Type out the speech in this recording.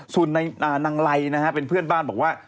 ส่วนนางไลนะฮะเป็นเพื่อนบ้านบอกว่า